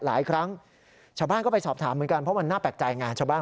หลายครั้งชาวบ้านก็ไปสอบถามเหมือนกันเพราะมันน่าแปลกใจไงชาวบ้าน